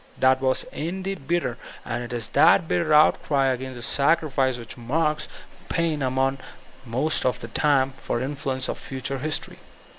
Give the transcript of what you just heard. That was indeed bitter ; and it is that bitter outcry against this sacrifice which marks Paine out among most of his time for influence on future history.